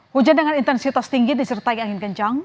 hujan dengan intensitas tinggi disertai angin kencang